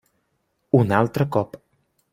Un altre cop.